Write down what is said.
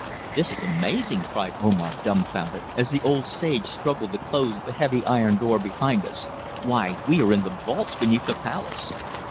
"This is amazing," cried Omar dumbfounded, as the old sage struggled to close the heavy iron door behind us. "Why, we are in the vaults beneath the palace!"